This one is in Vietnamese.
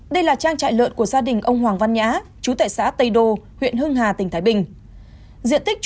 đây là trang trại lợn của gia đình ông hoàng văn nhã chú tại xã tây đô huyện hưng hà tỉnh thái bình